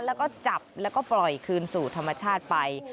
แล้วก็จับแล้วก็ปล่อยคืนสู่ธรรมชาติไป